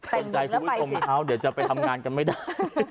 ต้องใจคุณผู้ชมนะครับเดี๋ยวจะไปทำงานกันไม่ได้